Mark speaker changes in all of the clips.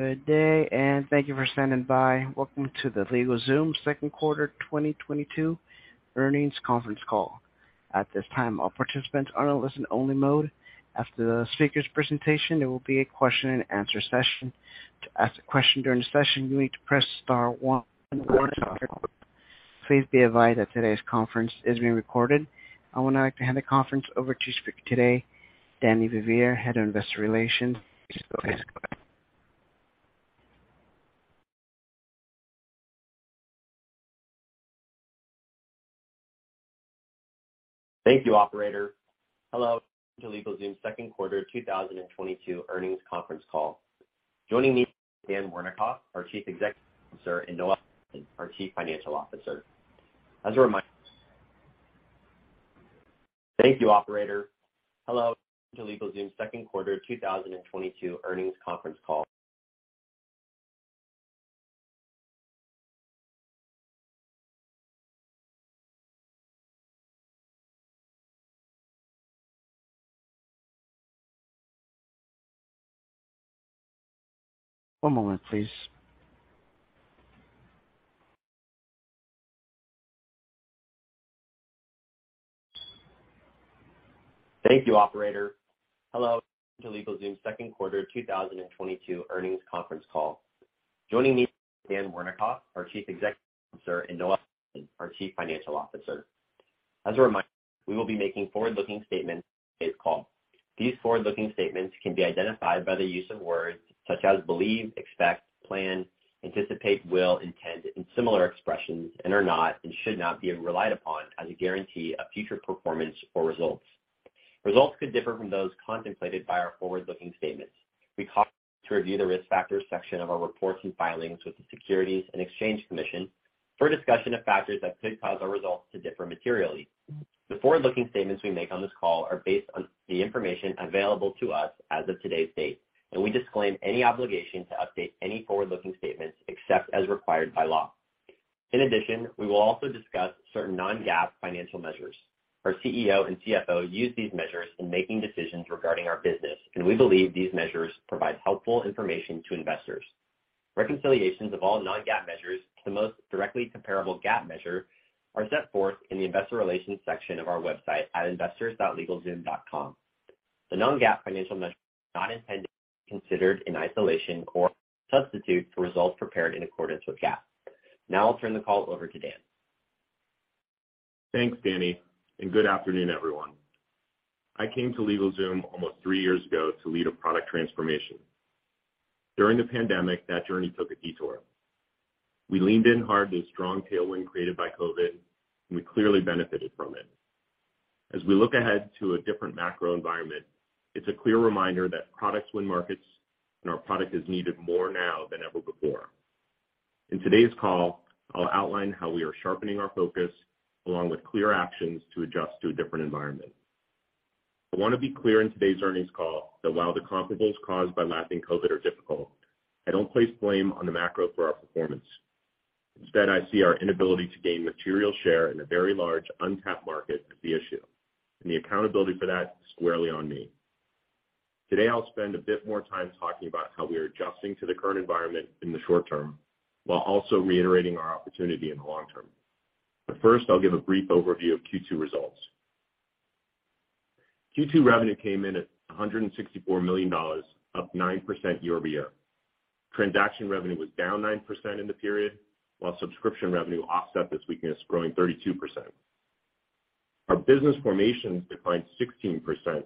Speaker 1: Good day, and thank you for standing by. Welcome to the LegalZoom second quarter 2022 earnings conference call. At this time, all participants are in a listen only mode. After the speaker's presentation, there will be a question and answer session. To ask a question during the session, you need to press star one. Please be advised that today's conference is being recorded. I would now like to hand the conference over to Danny Vivier, Head of Investor Relations, to speak today. Please go ahead.
Speaker 2: Thank you, operator. Hello, LegalZoom second quarter 2022 earnings conference call. Joining me is Dan Wernikoff, our Chief Executive Officer, and Noel Watson, our Chief Financial Officer.
Speaker 1: One moment, please.
Speaker 2: Thank you, operator. Hello, LegalZoom second quarter 2022 earnings conference call. Joining me is Dan Wernikoff, our Chief Executive Officer, and Noel Watson, our Chief Financial Officer. As a reminder, we will be making forward-looking statements this call. These forward-looking statements can be identified by the use of words such as believe, expect, plan, anticipate, will, intend, and similar expressions, and are not and should not be relied upon as a guarantee of future performance or results. Results could differ from those contemplated by our forward-looking statements. We caution to review the Risk factors section of our reports and filings with the Securities and Exchange Commission for a discussion of factors that could cause our results to differ materially. The forward-looking statements we make on this call are based on the information available to us as of today's date, and we disclaim any obligation to update any forward-looking statements except as required by law. In addition, we will also discuss certain non-GAAP financial measures. Our CEO and CFO use these measures in making decisions regarding our business, and we believe these measures provide helpful information to investors. Reconciliations of all non-GAAP measures to the most directly comparable GAAP measure are set forth in the Investor Relations section of our website at investors.legalzoom.com. The non-GAAP financial measures are not intended to be considered in isolation or substitute for results prepared in accordance with GAAP. Now I'll turn the call over to Dan.
Speaker 3: Thanks, Danny, and good afternoon, everyone. I came to LegalZoom almost three years ago to lead a product transformation. During the pandemic, that journey took a detour. We leaned in hard to the strong tailwind created by COVID, and we clearly benefited from it. As we look ahead to a different macro environment, it's a clear reminder that products win markets, and our product is needed more now than ever before. In today's call, I'll outline how we are sharpening our focus along with clear actions to adjust to a different environment. I want to be clear in today's earnings call that while the comparables caused by lapping COVID are difficult, I don't place blame on the macro for our performance. Instead, I see our inability to gain material share in a very large untapped market as the issue, and the accountability for that squarely on me. Today, I'll spend a bit more time talking about how we are adjusting to the current environment in the short term while also reiterating our opportunity in the long term. First, I'll give a brief overview of Q2 results. Q2 revenue came in at $164 million, up 9% year-over-year. Transaction revenue was down 9% in the period, while subscription revenue offset this weakness, growing 32%. Our business formations declined 16%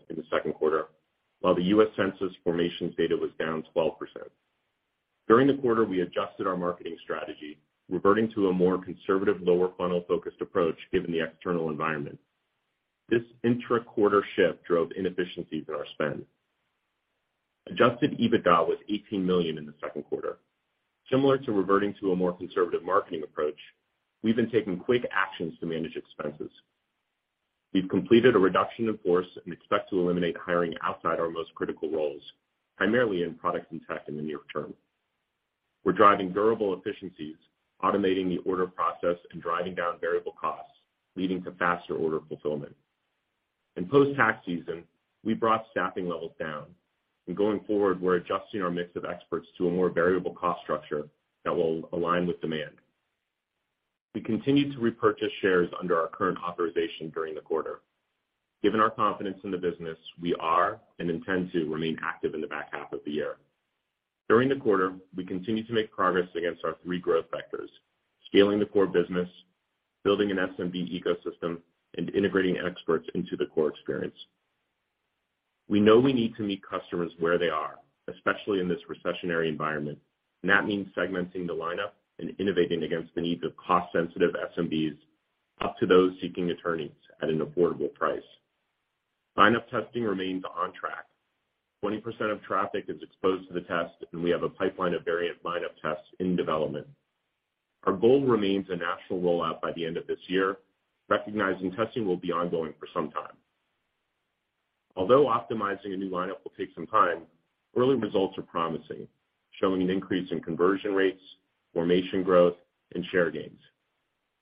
Speaker 3: in the second quarter, while the U.S. Census formations data was down 12%. During the quarter, we adjusted our marketing strategy, reverting to a more conservative, lower funnel focused approach given the external environment. This intra-quarter shift drove inefficiencies in our spend. Adjusted EBITDA was $18 million in the second quarter. Similar to reverting to a more conservative marketing approach, we've been taking quick actions to manage expenses. We've completed a reduction in force and expect to eliminate hiring outside our most critical roles, primarily in product and tech in the near term. We're driving durable efficiencies, automating the order process, and driving down variable costs, leading to faster order fulfillment. In post-tax season, we brought staffing levels down, and going forward, we're adjusting our mix of experts to a more variable cost structure that will align with demand. We continued to repurchase shares under our current authorization during the quarter. Given our confidence in the business, we are and intend to remain active in the back half of the year. During the quarter, we continue to make progress against our three growth vectors, scaling the core business, building an SMB ecosystem, and integrating experts into the core experience. We know we need to meet customers where they are, especially in this recessionary environment, and that means segmenting the lineup and innovating against the needs of cost-sensitive SMBs up to those seeking attorneys at an affordable price. Lineup testing remains on track. 20% of traffic is exposed to the test, and we have a pipeline of variant lineup tests in development. Our goal remains a national rollout by the end of this year, recognizing testing will be ongoing for some time. Although optimizing a new lineup will take some time, early results are promising, showing an increase in conversion rates, formation growth, and share gains.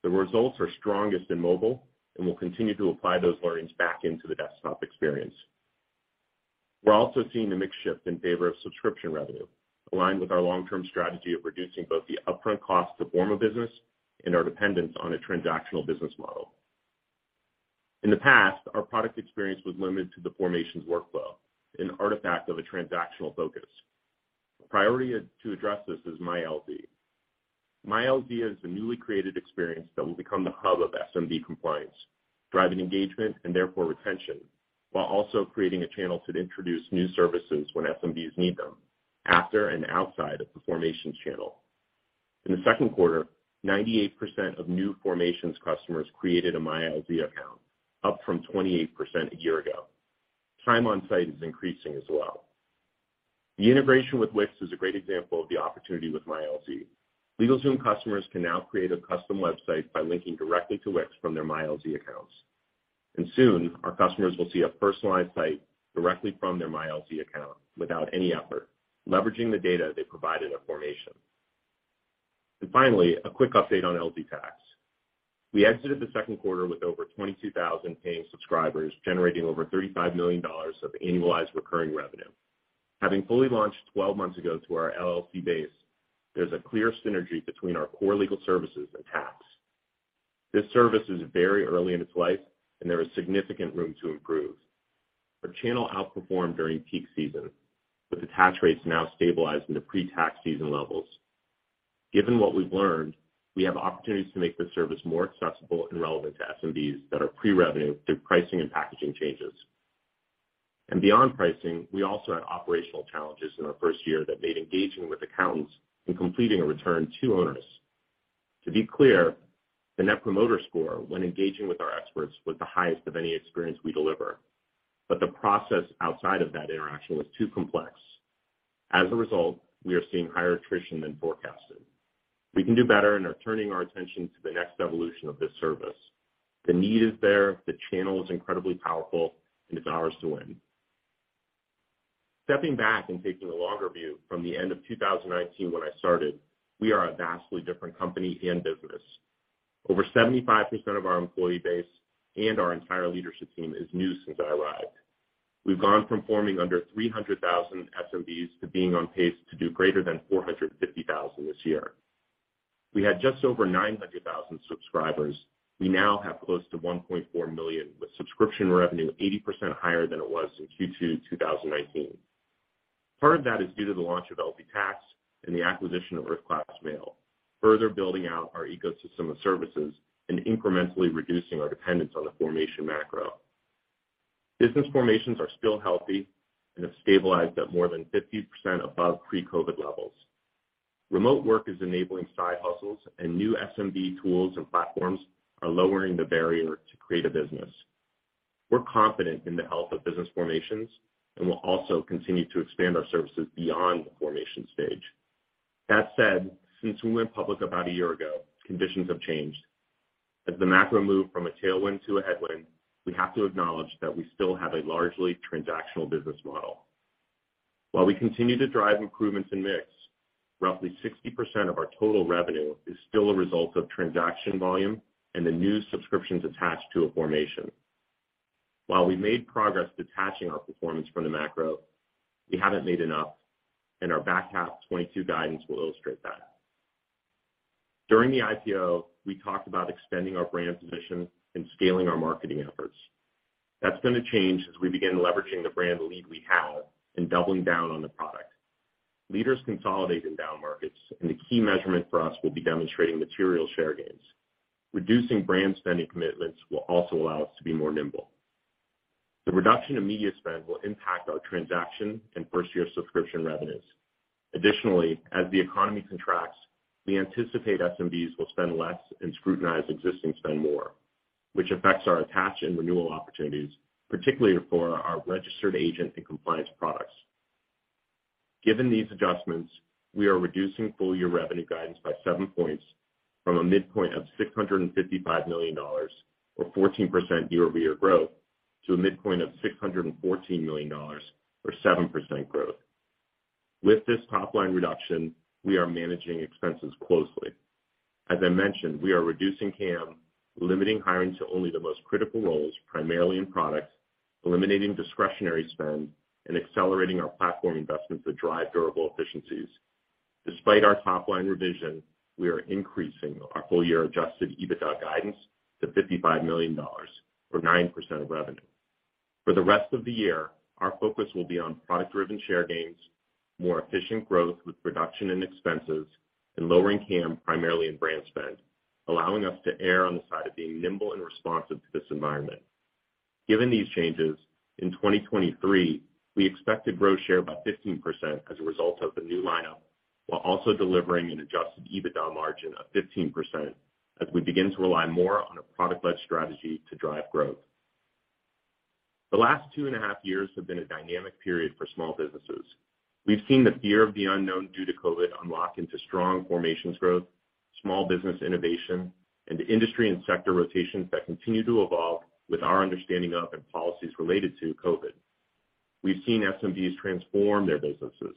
Speaker 3: The results are strongest in mobile, and we'll continue to apply those learnings back into the desktop experience. We're also seeing the mix shift in favor of subscription revenue, aligned with our long-term strategy of reducing both the upfront cost to form a business and our dependence on a transactional business model. In the past, our product experience was limited to the formations workflow, an artifact of a transactional focus. A priority to address this is MyLLC. MyLLC is the newly created experience that will become the hub of SMB compliance, driving engagement and therefore retention, while also creating a channel to introduce new services when SMBs need them after and outside of the formations channel. In the second quarter, 98% of new formations customers created a MyLLC account, up from 28% a year ago. Time on site is increasing as well. The integration with Wix is a great example of the opportunity with MyLLC. LegalZoom customers can now create a custom website by linking directly to Wix from their MyLLC accounts. Soon, our customers will see a personalized site directly from their MyLLC account without any effort, leveraging the data they provided at formation. Finally, a quick update on LZ Tax. We exited the second quarter with over 22,000 paying subscribers, generating over $35 million of annualized recurring revenue. Having fully launched 12 months ago to our LLC base, there's a clear synergy between our core legal services and tax. This service is very early in its life, and there is significant room to improve. Our channel outperformed during peak season, with attach rates now stabilizing to pre-tax season levels. Given what we've learned, we have opportunities to make the service more accessible and relevant to SMBs that are pre-revenue through pricing and packaging changes. Beyond pricing, we also had operational challenges in our first year that made engaging with accountants and completing a return too onerous. To be clear, the Net Promoter Score when engaging with our experts was the highest of any experience we deliver, but the process outside of that interaction was too complex. As a result, we are seeing higher attrition than forecasted. We can do better and are turning our attention to the next evolution of this service. The need is there, the channel is incredibly powerful, and it's ours to win. Stepping back and taking a longer view from the end of 2019 when I started, we are a vastly different company and business. Over 75% of our employee base and our entire leadership team is new since I arrived. We've gone from forming under 300,000 SMBs to being on pace to do greater than 450,000 this year. We had just over 900,000 subscribers. We now have close to 1.4 million, with subscription revenue 80% higher than it was in Q2 2019. Part of that is due to the launch of LZ Tax and the acquisition of Earth Class Mail, further building out our ecosystem of services and incrementally reducing our dependence on the formation macro. Business formations are still healthy and have stabilized at more than 50% above pre-COVID levels. Remote work is enabling side hustles and new SMB tools and platforms are lowering the barrier to create a business. We're confident in the health of business formations and will also continue to expand our services beyond the formation stage. That said, since we went public about a year ago, conditions have changed. As the macro moved from a tailwind to a headwind, we have to acknowledge that we still have a largely transactional business model. While we continue to drive improvements in mix, roughly 60% of our total revenue is still a result of transaction volume and the new subscriptions attached to a formation. While we made progress detaching our performance from the macro, we haven't made enough, and our back half 2022 guidance will illustrate that. During the IPO, we talked about extending our brand position and scaling our marketing efforts. That's gonna change as we begin leveraging the brand lead we have and doubling down on the product. Leaders consolidate in down markets, and the key measurement for us will be demonstrating material share gains. Reducing brand spending commitments will also allow us to be more nimble. The reduction in media spend will impact our transaction and first-year subscription revenues. Additionally, as the economy contracts, we anticipate SMBs will spend less and scrutinize existing spend more, which affects our attach and renewal opportunities, particularly for our Registered Agent and compliance products. Given these adjustments, we are reducing full year revenue guidance by 7 points from a midpoint of $655 million or 14% year-over-year growth to a midpoint of $614 million or 7% growth. With this top line reduction, we are managing expenses closely. As I mentioned, we are reducing CAM, limiting hiring to only the most critical roles, primarily in products, eliminating discretionary spend, and accelerating our platform investments that drive durable efficiencies. Despite our top line revision, we are increasing our full year Adjusted EBITDA guidance to $55 million or 9% of revenue. For the rest of the year, our focus will be on product-driven share gains, more efficient growth with reduction in expenses, and lowering CAM primarily in brand spend, allowing us to err on the side of being nimble and responsive to this environment. Given these changes, in 2023, we expect to grow share by 15% as a result of the new lineup while also delivering an Adjusted EBITDA margin of 15% as we begin to rely more on a product-led strategy to drive growth. The last two and a half years have been a dynamic period for small businesses. We've seen the fear of the unknown due to COVID unlock into strong formations growth, small business innovation, and industry and sector rotations that continue to evolve with our understanding of and policies related to COVID. We've seen SMBs transform their businesses,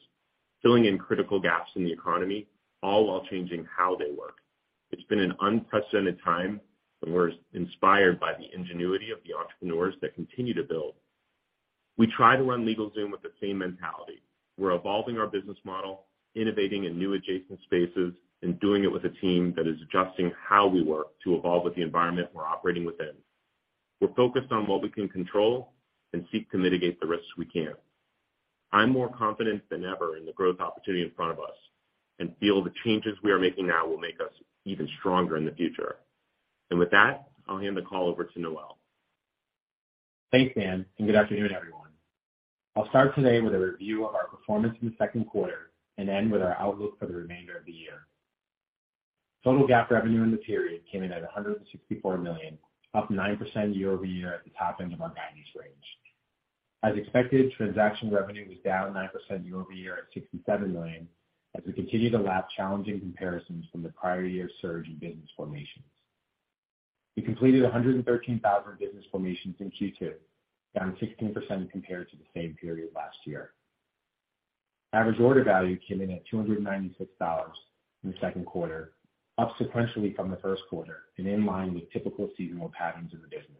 Speaker 3: filling in critical gaps in the economy, all while changing how they work. It's been an unprecedented time, and we're inspired by the ingenuity of the entrepreneurs that continue to build. We try to run LegalZoom with the same mentality. We're evolving our business model, innovating in new adjacent spaces, and doing it with a team that is adjusting how we work to evolve with the environment we're operating within. We're focused on what we can control and seek to mitigate the risks we can. I'm more confident than ever in the growth opportunity in front of us and feel the changes we are making now will make us even stronger in the future. With that, I'll hand the call over to Noel.
Speaker 4: Thanks, Dan, and good afternoon, everyone. I'll start today with a review of our performance in the second quarter and end with our outlook for the remainder of the year. Total GAAP revenue in the period came in at $164 million, up 9% year-over-year at the top end of our guidance range. As expected, transaction revenue was down 9% year-over-year at $67 million as we continue to lap challenging comparisons from the prior year's surge in business formations. We completed 113,000 business formations in Q2, down 16% compared to the same period last year. Average order value came in at $296 in the second quarter, up sequentially from the first quarter and in line with typical seasonal patterns in the business.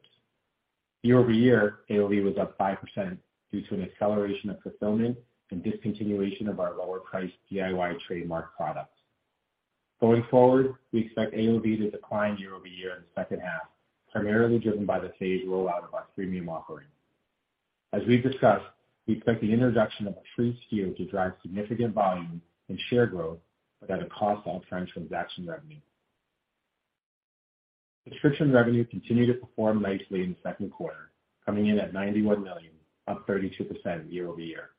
Speaker 4: Year-over-year, AOV was up 5% due to an acceleration of fulfillment and discontinuation of our lower-priced DIY trademark products. Going forward, we expect AOV to decline year-over-year in the second half, primarily driven by the phased rollout of our freemium offering. As we've discussed, we expect the introduction of a free SKU to drive significant volume and share growth, but at a cost to our transaction revenue. Subscription revenue continued to perform nicely in the second quarter, coming in at $91 million, up 32% year-over-year.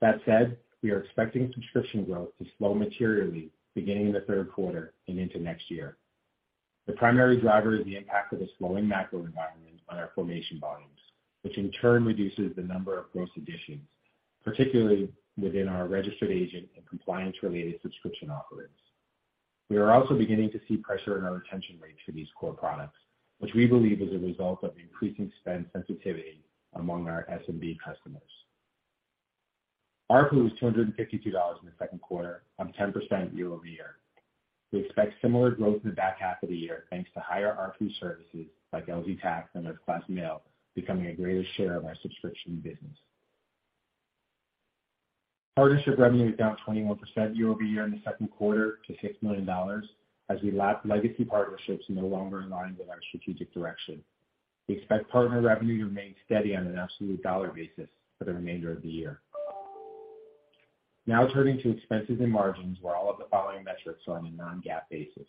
Speaker 4: That said, we are expecting subscription growth to slow materially beginning in the third quarter and into next year. The primary driver is the impact of the slowing macro environment on our formation volumes, which in turn reduces the number of gross additions, particularly within our registered agent and compliance-related subscription offerings. We are also beginning to see pressure in our retention rates for these core products, which we believe is a result of increasing spend sensitivity among our SMB customers. ARPU was $252 in the second quarter, up 10% year-over-year. We expect similar growth in the back half of the year, thanks to higher ARPU services like LZ Tax and Earth Class Mail becoming a greater share of our subscription business. Partnership revenue is down 21% year-over-year in the second quarter to $6 million as we lap legacy partnerships no longer in line with our strategic direction. We expect partner revenue to remain steady on an absolute dollar basis for the remainder of the year. Now turning to expenses and margins, where all of the following metrics are on a non-GAAP basis.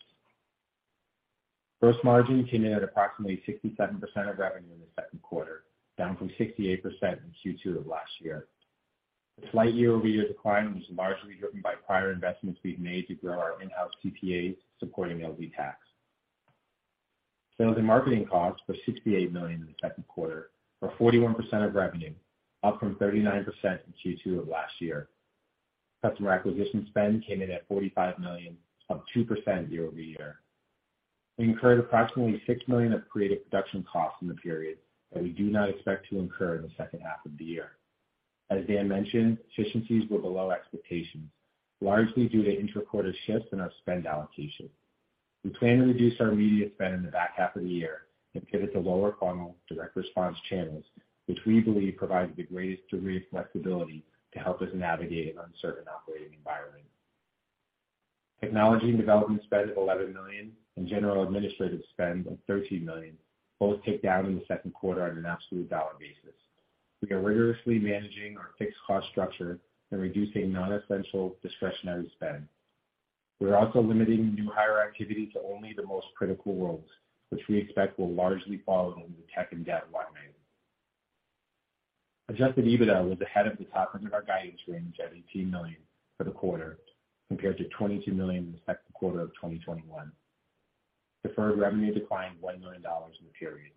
Speaker 4: Gross margin came in at approximately 67% of revenue in the second quarter, down from 68% in Q2 of last year. The slight year-over-year decline was largely driven by prior investments we've made to grow our in-house CPAs supporting LZ Tax. Sales and marketing costs were $68 million in the second quarter, or 41% of revenue, up from 39% in Q2 of last year. Customer acquisition spend came in at $45 million, up 2% year-over-year. We incurred approximately $6 million of creative production costs in the period that we do not expect to incur in the second half of the year. As Dan mentioned, efficiencies were below expectations, largely due to inter-quarter shifts in our spend allocation. We plan to reduce our media spend in the back half of the year and pivot to lower-funnel direct response channels, which we believe provides the greatest degree of flexibility to help us navigate an uncertain operating environment. Technology and development spend of $11 million and general administrative spend of $13 million both ticked down in the second quarter on an absolute dollar basis. We are rigorously managing our fixed cost structure and reducing non-essential discretionary spend. We're also limiting new hire activity to only the most critical roles, which we expect will largely fall into the tech and dev domain. Adjusted EBITDA was ahead of the top end of our guidance range at $18 million for the quarter compared to $22 million in the second quarter of 2021. Deferred revenue declined $1 million in the period.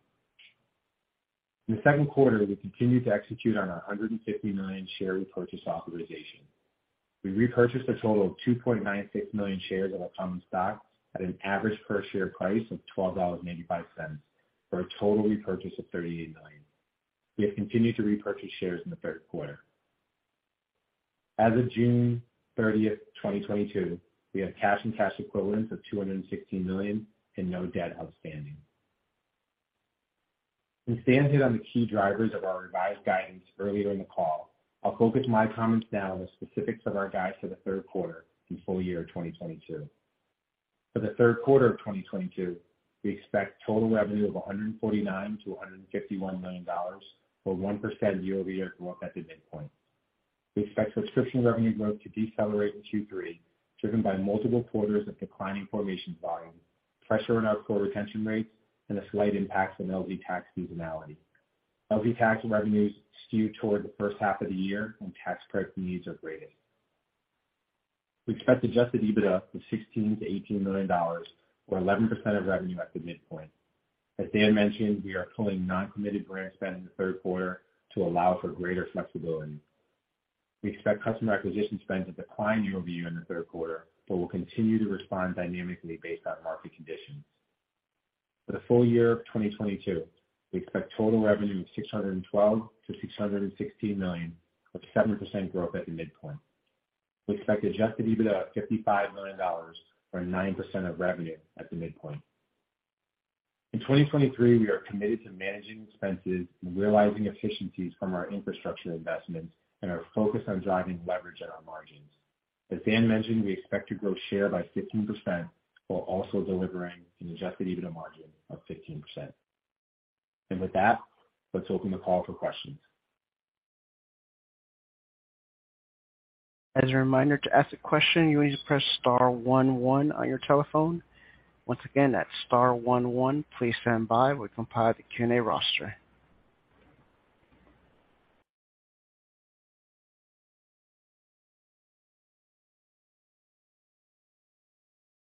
Speaker 4: In the second quarter, we continued to execute on our 150 million share repurchase authorization. We repurchased a total of 2.96 million shares of our common stock at an average per share price of $12.85, for a total repurchase of $38 million. We have continued to repurchase shares in the third quarter. As of June 30th, 2022, we have cash and cash equivalents of $260 million and no debt outstanding. As Dan hit on the key drivers of our revised guidance earlier in the call, I'll focus my comments now on the specifics of our guide for the third quarter and full year of 2022. For the third quarter of 2022, we expect total revenue of $149 million-$151 million, or 1% year-over-year growth at the midpoint. We expect subscription revenue growth to decelerate in Q3, driven by multiple quarters of declining formation volume, pressure on our core retention rates, and a slight impact from LZ Tax seasonality. LZ Tax revenues skew toward the first half of the year when tax credit needs are greatest. We expect Adjusted EBITDA of $16 million-$18 million or 11% of revenue at the midpoint. As Dan mentioned, we are pulling non-committed brand spend in the third quarter to allow for greater flexibility. We expect customer acquisition spend to decline year-over-year in the third quarter, but we'll continue to respond dynamically based on market conditions. For the full year of 2022, we expect total revenue of $612 million-$616 million, with 7% growth at the midpoint. We expect Adjusted EBITDA of $55 million, or 9% of revenue at the midpoint. In 2023, we are committed to managing expenses and realizing efficiencies from our infrastructure investments and are focused on driving leverage in our margins. As Dan mentioned, we expect to grow share by 15% while also delivering an Adjusted EBITDA margin of 15%. With that, let's open the call for questions.
Speaker 1: As a reminder, to ask a question, you need to press star one one on your telephone. Once again, that's star one one. Please stand by while we compile the Q&A roster.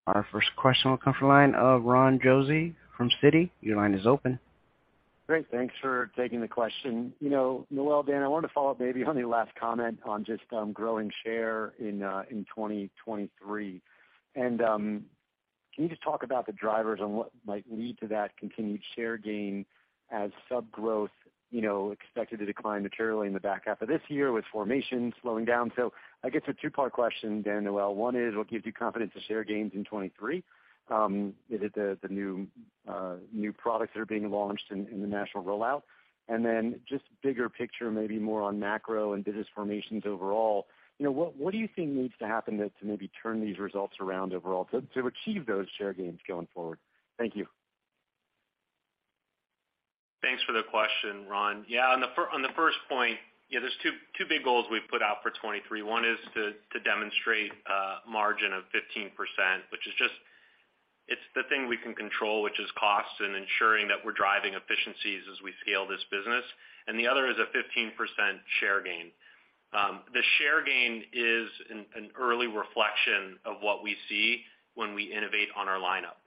Speaker 1: Our first question will come from the line of Ron Josey from Citi. Your line is open.
Speaker 5: Great. Thanks for taking the question. You know, Noel, Dan, I wanted to follow up maybe on your last comment on just, growing share in 2023. Can you just talk about the drivers and what might lead to that continued share gain as sub growth, you know, expected to decline materially in the back half of this year with formation slowing down? I guess a two-part question, Dan, Noel. One is, what gives you confidence to share gains in 2023? Is it the new products that are being launched in the national rollout? Just bigger picture, maybe more on macro and business formations overall. You know, what do you think needs to happen to maybe turn these results around overall to achieve those share gains going forward? Thank you.
Speaker 3: Thanks for the question, Ron. Yeah, on the first point, you know, there's two big goals we've put out for 2023. One is to demonstrate margin of 15%, which is just the thing we can control, which is cost and ensuring that we're driving efficiencies as we scale this business. The other is a 15% share gain. The share gain is an early reflection of what we see when we innovate on our lineup.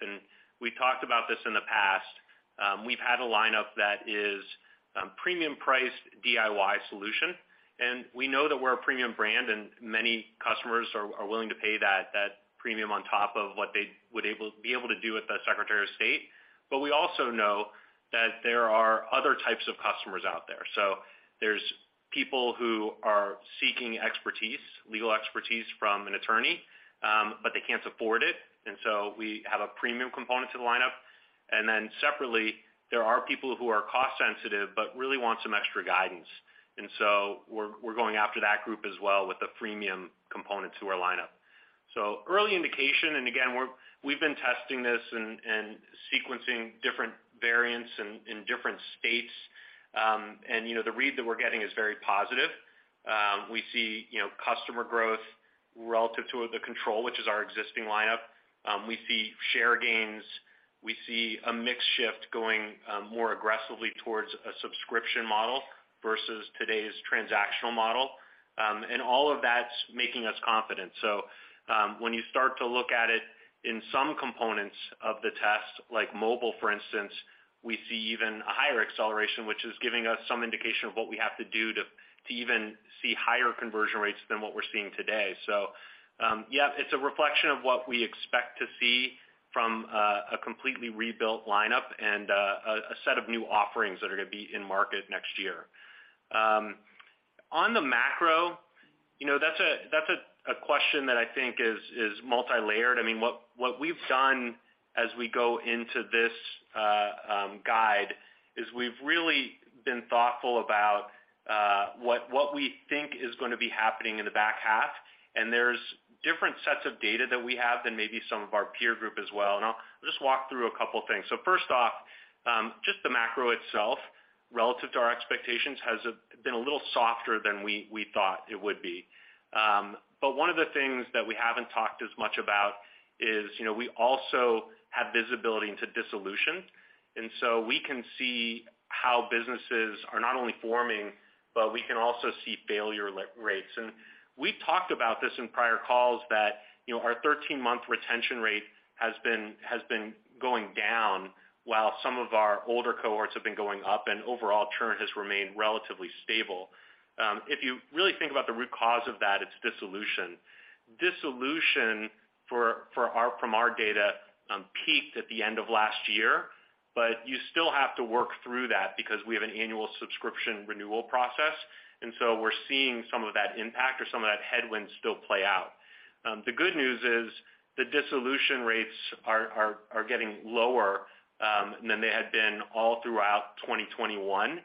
Speaker 3: We talked about this in the past. We've had a lineup that is a premium priced DIY solution, and we know that we're a premium brand and many customers are willing to pay that premium on top of what they would be able to do with the Secretary of State. We also know that there are other types of customers out there. There's people who are seeking expertise, legal expertise from an attorney, but they can't support it. We have a premium component to the lineup. Separately, there are people who are cost sensitive but really want some extra guidance. We're going after that group as well with the freemium component to our lineup. Early indication, and again, we've been testing this and sequencing different variants in different states, and, you know, the read that we're getting is very positive. We see, you know, customer growth relative to the control, which is our existing lineup. We see share gains. We see a mix shift going more aggressively towards a subscription model versus today's transactional model. All of that's making us confident. When you start to look at it in some components of the test, like mobile, for instance, we see even a higher acceleration, which is giving us some indication of what we have to do to even see higher conversion rates than what we're seeing today. Yeah, it's a reflection of what we expect to see from a completely rebuilt lineup and a set of new offerings that are gonna be in market next year. On the macro, you know, that's a question that I think is multilayered. I mean, what we've done as we go into this guide is we've really been thoughtful about what we think is gonna be happening in the back half. There's different sets of data that we have than maybe some of our peer group as well. I'll just walk through a couple of things. First off, just the macro itself, relative to our expectations, has been a little softer than we thought it would be. One of the things that we haven't talked as much about is, you know, we also have visibility into dissolution. We can see how businesses are not only forming, but we can also see failure rates. We've talked about this in prior calls that, you know, our 13-month retention rate has been going down while some of our older cohorts have been going up and overall churn has remained relatively stable. If you really think about the root cause of that, it's dissolution. Dissolution from our data peaked at the end of last year, but you still have to work through that because we have an annual subscription renewal process. We're seeing some of that impact or some of that headwind still play out. The good news is the dissolution rates are getting lower than they had been all throughout 2021.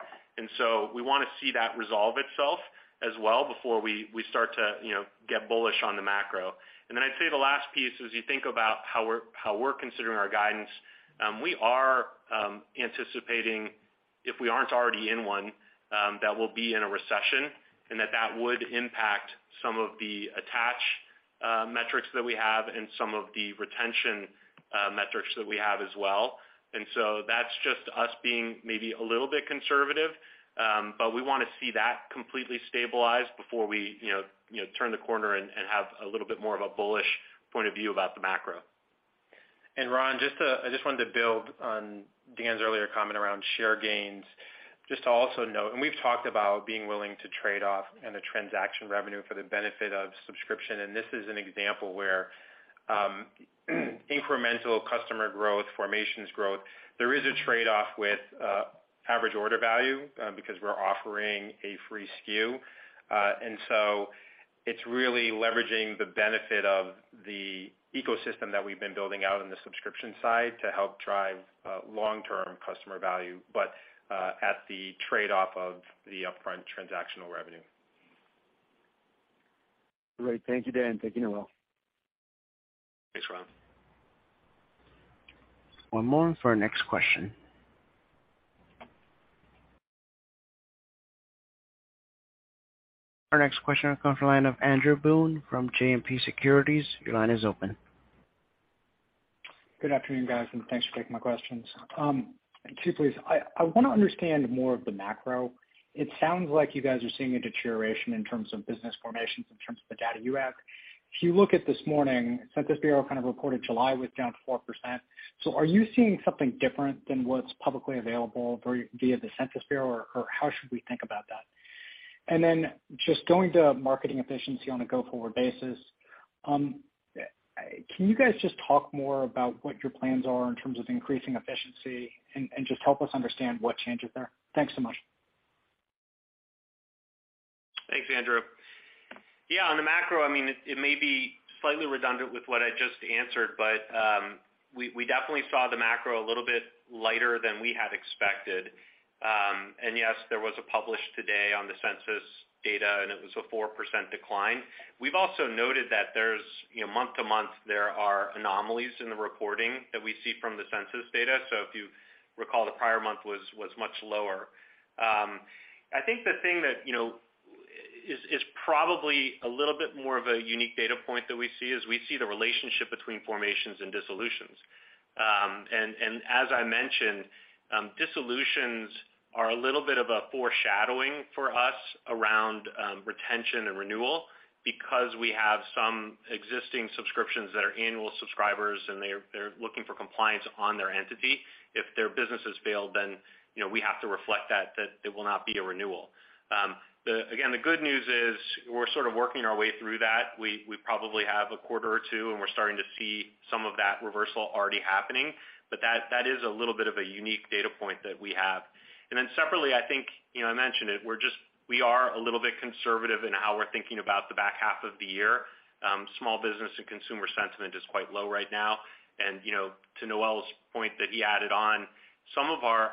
Speaker 3: We wanna see that resolve itself as well before we start to, you know, get bullish on the macro. I'd say the last piece, as you think about how we're considering our guidance, we are anticipating, if we aren't already in one, that we'll be in a recession and that would impact some of the attach metrics that we have and some of the retention metrics that we have as well. That's just us being maybe a little bit conservative, but we wanna see that completely stabilized before we, you know, turn the corner and have a little bit more of a bullish point of view about the macro. Ron, I just wanted to build on Dan's earlier comment around share gains. Just to also note, we've talked about being willing to trade off in the transaction revenue for the benefit of subscription. This is an example where incremental customer growth, formations growth, there is a trade off with average order value because we're offering a free SKU. It's really leveraging the benefit of the ecosystem that we've been building out in the subscription side to help drive long-term customer value, but at the trade-off of the upfront transactional revenue.
Speaker 5: Great. Thank you, Dan. Thank you, Noel.
Speaker 3: Thanks, Ron.
Speaker 1: One moment for our next question. Our next question comes from the line of Andrew Boone from JMP Securities. Your line is open.
Speaker 6: Good afternoon, guys, and thanks for taking my questions. Two please. I wanna understand more of the macro. It sounds like you guys are seeing a deterioration in terms of business formations in terms of the data you have. If you look at this morning, U.S. Census Bureau kind of reported July was down 4%. Are you seeing something different than what's publicly available via the U.S. Census Bureau, or how should we think about that? Then just going to marketing efficiency on a go-forward basis, can you guys just talk more about what your plans are in terms of increasing efficiency and just help us understand what changes there? Thanks so much.
Speaker 3: Thanks, Andrew. Yeah, on the macro, I mean, it may be slightly redundant with what I just answered, but we definitely saw the macro a little bit lighter than we had expected. Yes, there was a publish today on the census data, and it was a 4% decline. We've also noted that there's, you know, month-to-month there are anomalies in the reporting that we see from the census data. If you recall, the prior month was much lower. I think the thing that, you know, is probably a little bit more of a unique data point that we see is we see the relationship between formations and dissolutions. As I mentioned, dissolutions are a little bit of a foreshadowing for us around retention and renewal because we have some existing subscriptions that are annual subscribers, and they're looking for compliance on their entity. If their businesses fail, you know, we have to reflect that it will not be a renewal. Again, the good news is we're sort of working our way through that. We probably have a quarter or two, and we're starting to see some of that reversal already happening, but that is a little bit of a unique data point that we have. Then separately, I think, you know, I mentioned it, we are a little bit conservative in how we're thinking about the back half of the year. Small business and consumer sentiment is quite low right now. You know, to Noel's point that he added on, some of our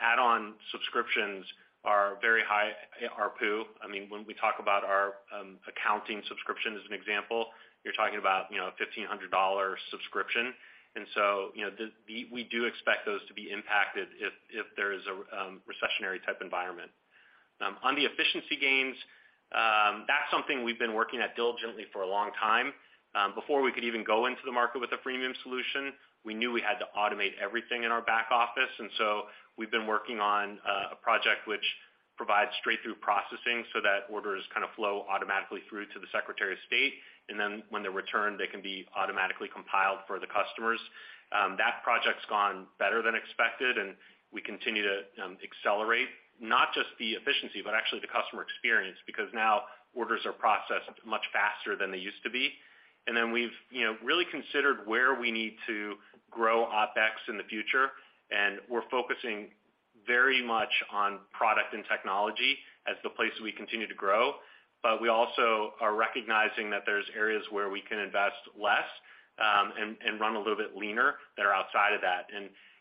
Speaker 3: add-on subscriptions are very high ARPU. I mean, when we talk about our accounting subscription as an example, you're talking about, you know, a $1,500 subscription. We do expect those to be impacted if there is a recessionary type environment. On the efficiency gains, that's something we've been working at diligently for a long time. Before we could even go into the market with a freemium solution, we knew we had to automate everything in our back office. We've been working on a project which provides straight through processing so that orders kind of flow automatically through to the Secretary of State. Then when they're returned, they can be automatically compiled for the customers. That project's gone better than expected, and we continue to accelerate not just the efficiency, but actually the customer experience because now orders are processed much faster than they used to be. We've, you know, really considered where we need to grow OpEx in the future, and we're focusing very much on product and technology as the place we continue to grow. We also are recognizing that there's areas where we can invest less and run a little bit leaner that are outside of that.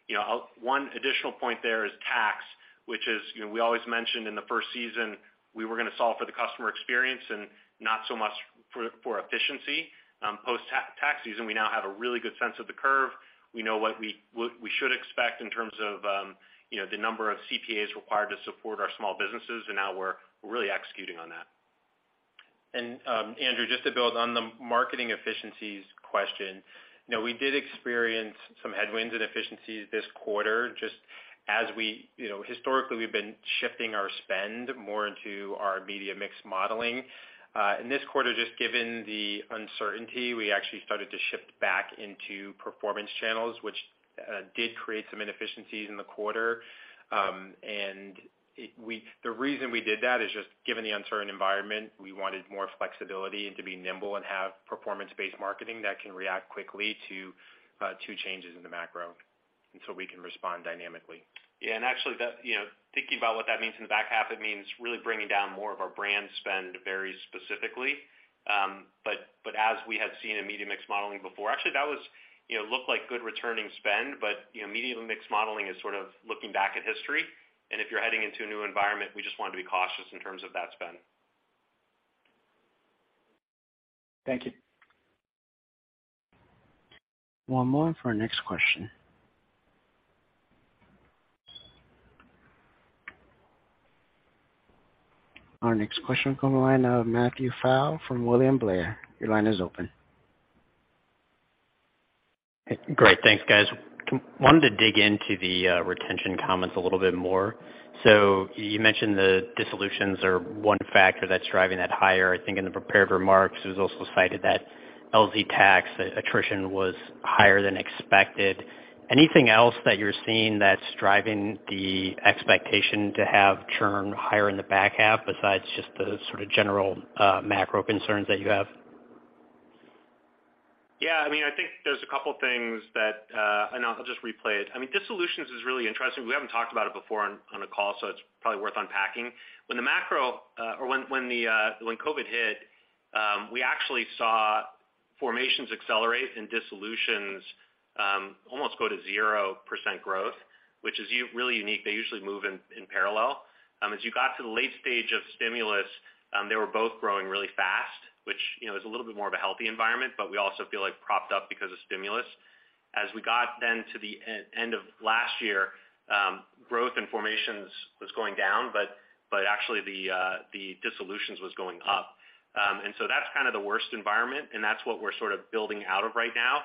Speaker 3: You know, one additional point there is tax, which is, you know, we always mentioned in the first season, we were gonna solve for the customer experience and not so much for efficiency. Post tax season, we now have a really good sense of the curve. We know what we should expect in terms of, you know, the number of CPAs required to support our small businesses, and now we're really executing on that. Andrew, just to build on the marketing efficiencies question. You know, we did experience some headwinds and efficiencies this quarter. You know, historically, we've been shifting our spend more into our media mix modeling. This quarter, just given the uncertainty, we actually started to shift back into performance channels, which did create some inefficiencies in the quarter. The reason we did that is just given the uncertain environment, we wanted more flexibility and to be nimble and have performance-based marketing that can react quickly to changes in the macro, and so we can respond dynamically. Yeah. Actually, that, you know, thinking about what that means in the back half, it means really bringing down more of our brand spend very specifically. But as we had seen in media mix modeling before, actually, that was, you know, looked like good returning spend. You know, media mix modeling is sort of looking back at history. If you're heading into a new environment, we just wanted to be cautious in terms of that spend.
Speaker 6: Thank you.
Speaker 1: One moment for our next question. Our next question will come from the line of Matthew Condon from William Blair. Your line is open. Great. Thanks, guys.
Speaker 7: Wanted to dig into the retention comments a little bit more. You mentioned the dissolutions are one factor that's driving that higher. I think in the prepared remarks, it was also cited that LZ Tax attrition was higher than expected. Anything else that you're seeing that's driving the expectation to have churn higher in the back half besides just the sort of general macro concerns that you have?
Speaker 3: Yeah, I mean, I think there's a couple things that and I'll just replay it. I mean, dissolutions is really interesting. We haven't talked about it before on a call, so it's probably worth unpacking. When the macro or when COVID hit, we actually saw formations accelerate and dissolutions almost go to 0% growth, which is really unique. They usually move in parallel. As you got to the late stage of stimulus, they were both growing really fast, which, you know, is a little bit more of a healthy environment, but we also feel like propped up because of stimulus. As we got then to the end of last year, growth in formations was going down, but actually the dissolutions was going up. That's kind of the worst environment, and that's what we're sort of building out of right now.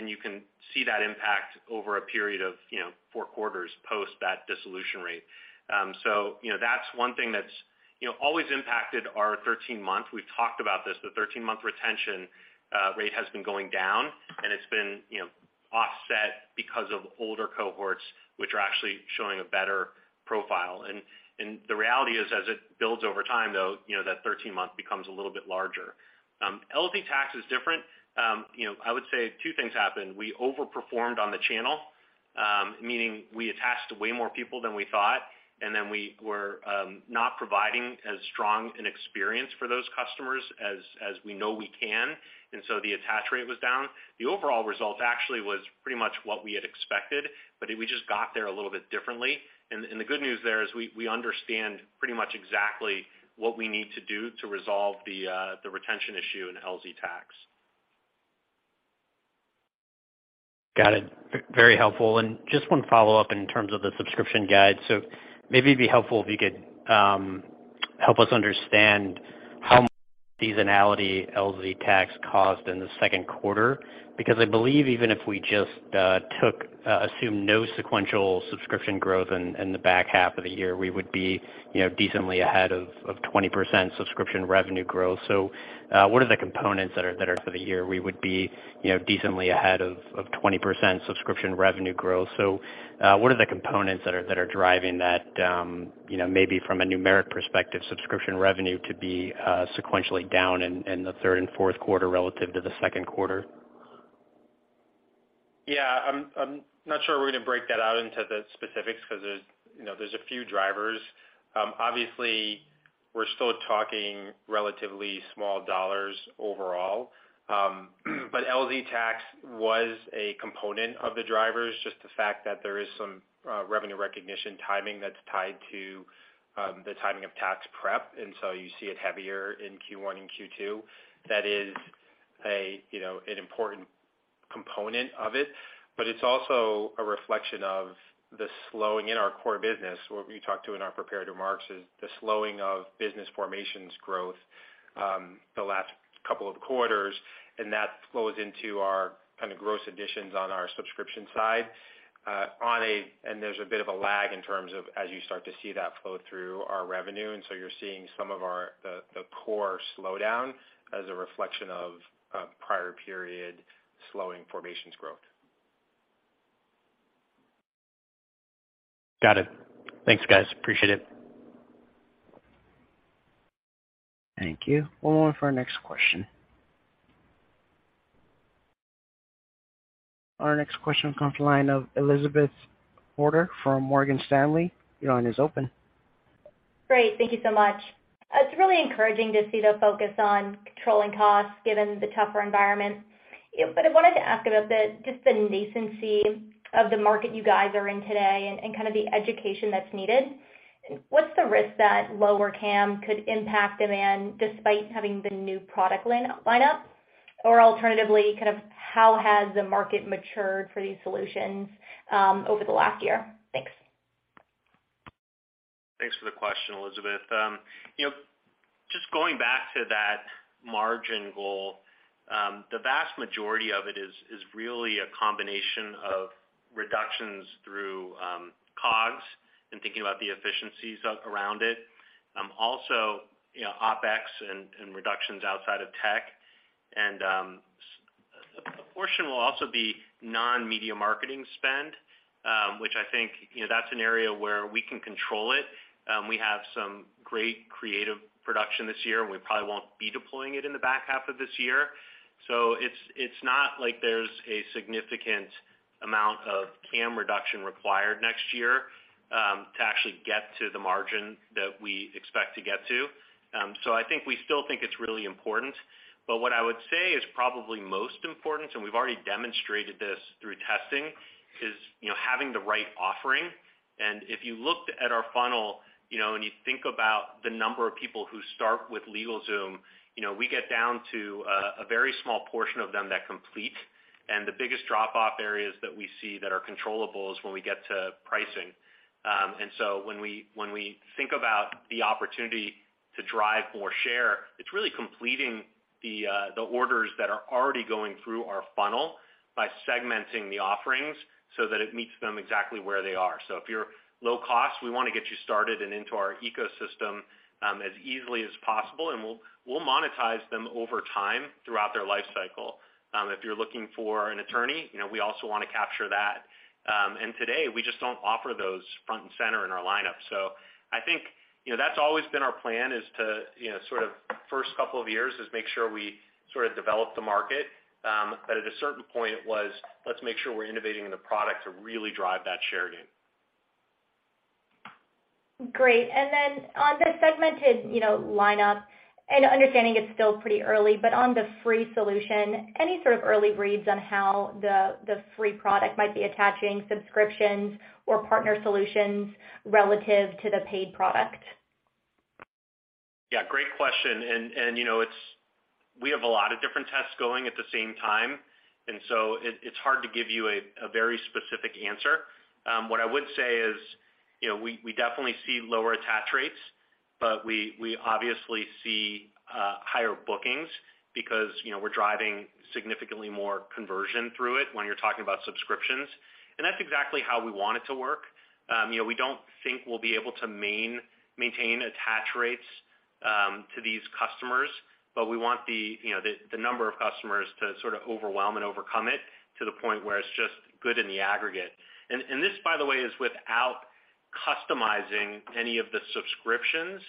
Speaker 3: You can see that impact over a period of, you know, four quarters post that dissolution rate. You know, that's one thing that's, you know, always impacted our thirteen-month. We've talked about this, the 13th-month retention rate has been going down, and it's been, you know, offset because of older cohorts, which are actually showing a better profile. The reality is, as it builds over time, though, you know, that thirteen-month becomes a little bit larger. LZ Tax is different. You know, I would say two things happened. We overperformed on the channel, meaning we attached way more people than we thought, and then we were not providing as strong an experience for those customers as we know we can. The attach rate was down. The overall result actually was pretty much what we had expected, but we just got there a little bit differently. The good news there is we understand pretty much exactly what we need to do to resolve the retention issue in LZ Tax.
Speaker 7: Got it. Very helpful. Just one follow-up in terms of the subscription guide. Maybe it'd be helpful if you could help us understand how seasonality LZ Tax caused in the second quarter, because I believe even if we just assumed no sequential subscription growth in the back half of the year, we would be, you know, decently ahead of 20% subscription revenue growth? What are the components that are driving that, you know, maybe from a numeric perspective, subscription revenue to be sequentially down in the third and fourth quarter relative to the second quarter?
Speaker 3: Yeah, I'm not sure we're gonna break that out into the specifics 'cause there's, you know, there's a few drivers. Obviously we're still talking relatively small dollars overall. But LZ Tax was a component of the drivers, just the fact that there is some revenue recognition timing that's tied to the timing of tax prep, and so you see it heavier in Q1 and Q2. That is a, you know, an important component of it. But it's also a reflection of the slowing in our core business. What we talked to in our prepared remarks is the slowing of business formations growth, the last couple of quarters, and that flows into our kind of gross additions on our subscription side. There's a bit of a lag in terms of as you start to see that flow through our revenue, and so you're seeing some of the core slowdown as a reflection of a prior period slowing formations growth.
Speaker 7: Got it. Thanks, guys. Appreciate it.
Speaker 1: Thank you. One moment for our next question. Our next question comes to the line of Elizabeth Porter from Morgan Stanley. Your line is open.
Speaker 8: Great. Thank you so much. It's really encouraging to see the focus on controlling costs given the tougher environment. I wanted to ask about the just the nascency of the market you guys are in today and kind of the education that's needed? What's the risk that lower CAM could impact demand despite having the new product line up? Alternatively, kind of how has the market matured for these solutions over the last year? Thanks.
Speaker 3: Thanks for the question, Elizabeth. You know, just going back to that margin goal, the vast majority of it is really a combination of reductions through COGS and thinking about the efficiencies around it. Also, you know, OpEx and reductions outside of tech. A portion will also be non-media marketing spend, which I think, you know, that's an area where we can control it. We have some great creative production this year, and we probably won't be deploying it in the back half of this year. It's not like there's a significant amount of CAM reduction required next year to actually get to the margin that we expect to get to. So I think we still think it's really important. What I would say is probably most important, and we've already demonstrated this through testing, is, you know, having the right offering. If you looked at our funnel, you know, and you think about the number of people who start with LegalZoom, you know, we get down to a very small portion of them that complete. The biggest drop off areas that we see that are controllable is when we get to pricing. When we think about the opportunity to drive more share, it's really completing the orders that are already going through our funnel by segmenting the offerings so that it meets them exactly where they are. If you're low cost, we wanna get you started and into our ecosystem, as easily as possible, and we'll monetize them over time throughout their life cycle. If you're looking for an attorney, you know, we also wanna capture that. Today we just don't offer those front and center in our lineup. I think, you know, that's always been our plan is to, you know, sort of first couple of years is make sure we sort of develop the market. At a certain point it was, let's make sure we're innovating in the product to really drive that share gain.
Speaker 8: Great. On the segmented, you know, lineup and understanding it's still pretty early, but on the free solution, any sort of early reads on how the free product might be attaching subscriptions or partner solutions relative to the paid product?
Speaker 3: Yeah, great question. You know, it's hard to give you a very specific answer. What I would say is, you know, we definitely see lower attach rates, but we obviously see higher bookings because, you know, we're driving significantly more conversion through it when you're talking about subscriptions. That's exactly how we want it to work. You know, we don't think we'll be able to maintain attach rates to these customers, but we want the, you know, the number of customers to sort of overwhelm and overcome it to the point where it's just good in the aggregate. This, by the way, is without customizing any of the subscriptions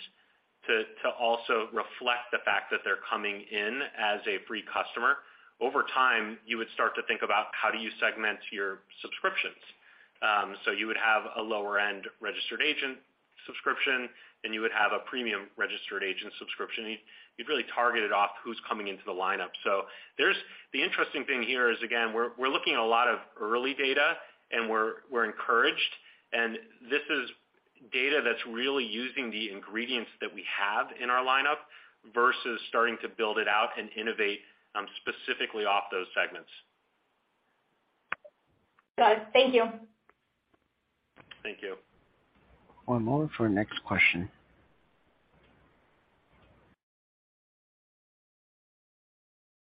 Speaker 3: to also reflect the fact that they're coming in as a free customer. Over time, you would start to think about how do you segment your subscriptions. You would have a lower end Registered Agent subscription, and you would have a premium Registered Agent subscription. You'd really target it off who's coming into the lineup. The interesting thing here is, again, we're looking at a lot of early data, and we're encouraged. This is data that's really using the ingredients that we have in our lineup versus starting to build it out and innovate, specifically off those segments.
Speaker 8: Got it. Thank you.
Speaker 3: Thank you.
Speaker 1: One moment for our next question.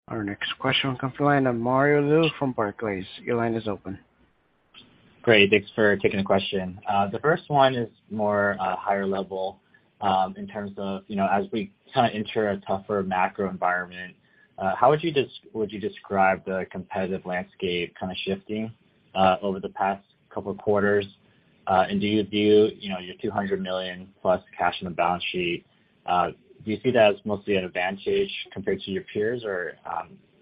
Speaker 1: Our next question will come from the line of Mario Lu from Barclays. Your line is open.
Speaker 9: Great. Thanks for taking the question. The first one is more higher level in terms of, you know, as we kind of enter a tougher macro environment, how would you describe the competitive landscape kind of shifting over the past couple of quarters? And do you view, you know, your $200 million+ cash on the balance sheet, do you see that as mostly an advantage compared to your peers? Or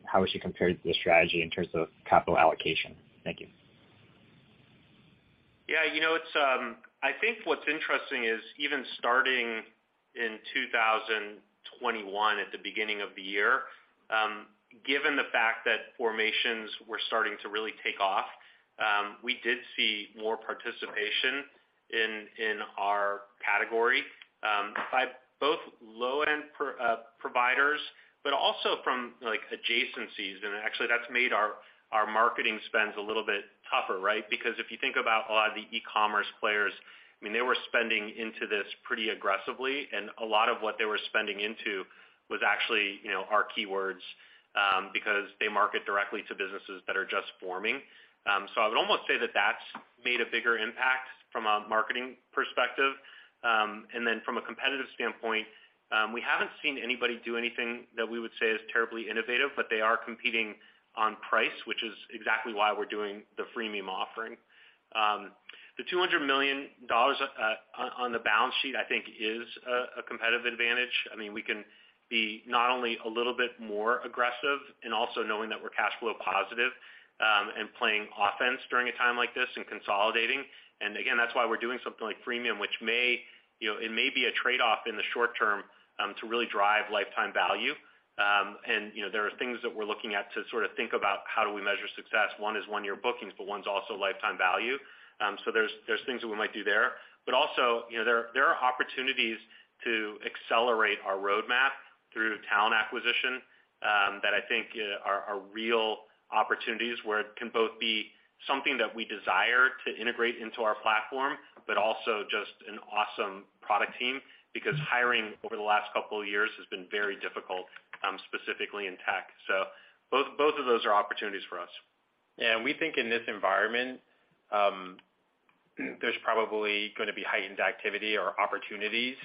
Speaker 9: how would you compare the strategy in terms of capital allocation? Thank you.
Speaker 3: Yeah, you know, it's, I think what's interesting is even starting in 2021 at the beginning of the year, given the fact that formations were starting to really take off, we did see more participation in our category by both low-end providers, but also from like adjacencies. Actually that's made our marketing spends a little bit tougher, right? Because if you think about a lot of the e-commerce players, I mean, they were spending into this pretty aggressively, and a lot of what they were spending into was actually, you know, our keywords, because they market directly to businesses that are just forming. I would almost say that that's made a bigger impact from a marketing perspective. Then from a competitive standpoint, we haven't seen anybody do anything that we would say is terribly innovative, but they are competing on price, which is exactly why we're doing the freemium offering. The $200 million on the balance sheet, I think is a competitive advantage. I mean, we can be not only a little bit more aggressive and also knowing that we're cash flow positive, and playing offense during a time like this and consolidating. Again, that's why we're doing something like freemium, which may, you know, it may be a trade-off in the short term, to really drive lifetime value. You know, there are things that we're looking at to sort of think about how do we measure success. One is one-year bookings, but one's also lifetime value. There's things that we might do there. Also, you know, there are opportunities to accelerate our roadmap through talent acquisition that I think are real opportunities where it can both be something that we desire to integrate into our platform, but also just an awesome product team, because hiring over the last couple of years has been very difficult, specifically in tech. Both of those are opportunities for us. We think in this environment, there's probably gonna be heightened activity or opportunities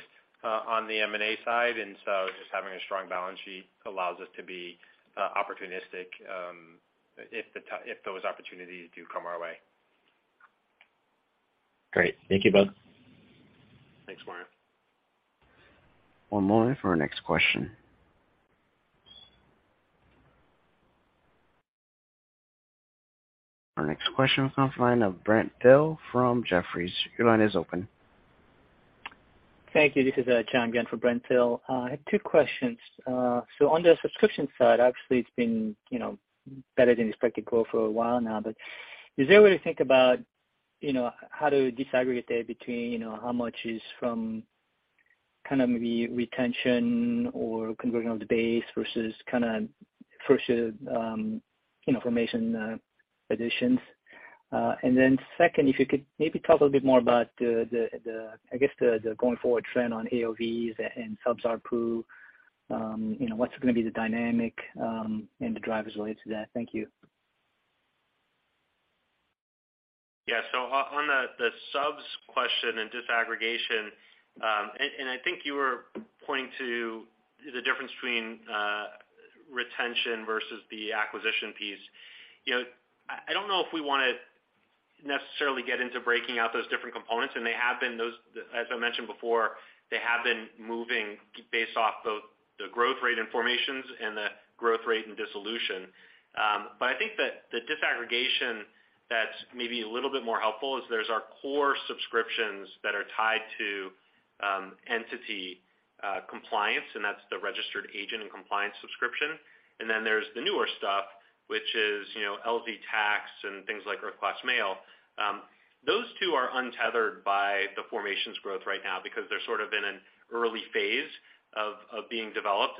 Speaker 3: on the M&A side. Just having a strong balance sheet allows us to be opportunistic if those opportunities do come our way.
Speaker 9: Great. Thank you both.
Speaker 3: Thanks, Mario.
Speaker 1: One moment for our next question. Our next question comes from the line of Brent Thill from Jefferies. Your line is open.
Speaker 10: Thank you. This is John again for Brent Thill. I have two questions. On the subscription side, obviously it's been, you know, better than expected growth for a while now. Is there a way to think about, you know, how to disaggregate that between, you know, how much is from kind of maybe retention or converting of the base versus kind of formation additions? Then second, if you could maybe talk a little bit more about the, I guess the going forward trend on AOV and subs ARPU. You know, what's gonna be the dynamic and the drivers related to that? Thank you.
Speaker 3: On the subs question and disaggregation, and I think you were pointing to the difference between retention versus the acquisition piece. You know, I don't know if we wanna necessarily get into breaking out those different components, and as I mentioned before, they have been moving based off both the growth rate in formations and the growth rate in dissolution. I think that the disaggregation that's maybe a little bit more helpful is there's our core subscriptions that are tied to entity compliance, and that's the registered agent and compliance subscription. Then there's the newer stuff, which is, you know, LZ Tax and things like Earth Class Mail. Those two are untethered by the formations growth right now because they're sort of in an early phase of being developed.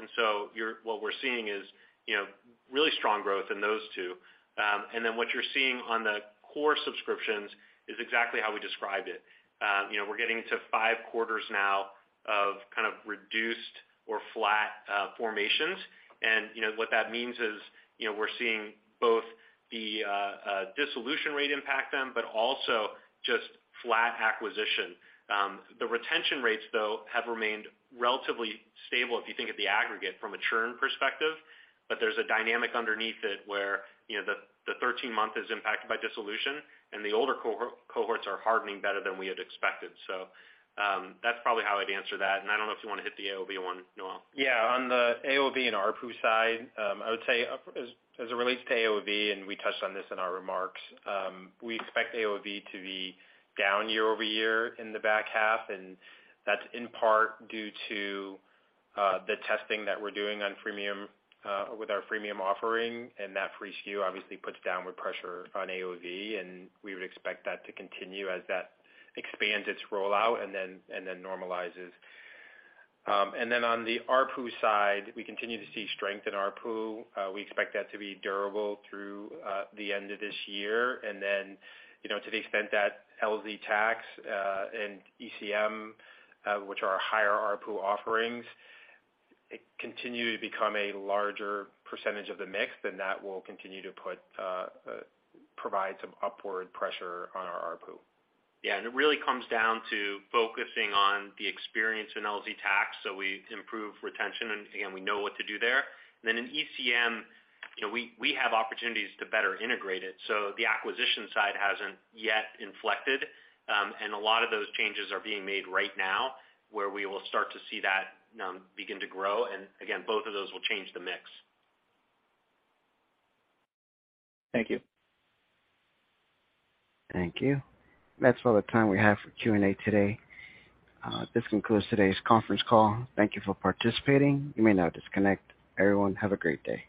Speaker 3: What we're seeing is, you know, really strong growth in those two. What you're seeing on the core subscriptions is exactly how we described it. You know, we're getting to five quarters now of kind of reduced or flat formations. You know, what that means is, you know, we're seeing both the dissolution rate impact them, but also just flat acquisition. The retention rates though have remained relatively stable if you think of the aggregate from a churn perspective. There's a dynamic underneath it where, you know, the 13-month is impacted by dissolution and the older cohorts are hardening better than we had expected. That's probably how I'd answer that. I don't know if you wanna hit the AOV one, Noel.
Speaker 4: Yeah. On the AOV and ARPU side, I would say as it relates to AOV, and we touched on this in our remarks, we expect AOV to be down year-over-year in the back half. That's in part due to the testing that we're doing on freemium with our freemium offering, and that free SKU obviously puts downward pressure on AOV, and we would expect that to continue as that expands its rollout and then normalizes. On the ARPU side, we continue to see strength in ARPU. We expect that to be durable through the end of this year. You know, to the extent that LZ Tax and ECM, which are higher ARPU offerings, continue to become a larger percentage of the mix, then that will continue to provide some upward pressure on our ARPU.
Speaker 3: Yeah. It really comes down to focusing on the experience in LZ Tax so we improve retention and, again, we know what to do there. In ECM, you know, we have opportunities to better integrate it. The acquisition side hasn't yet inflected, and a lot of those changes are being made right now where we will start to see that begin to grow. Both of those will change the mix.
Speaker 10: Thank you.
Speaker 1: Thank you. That's all the time we have for Q&A today. This concludes today's conference call. Thank you for participating. You may now disconnect. Everyone, have a great day.